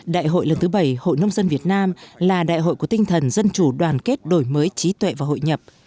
đại hội lần thứ bảy hội nông dân việt nam là đại hội của tinh thần dân chủ đoàn kết đổi mới trí tuệ và hội nhập